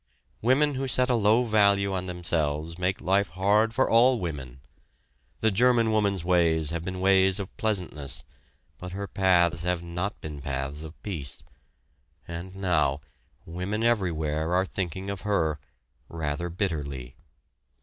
Women who set a low value on themselves make life hard for all women. The German woman's ways have been ways of pleasantness, but her paths have not been paths of peace; and now, women everywhere are thinking of her, rather bitterly.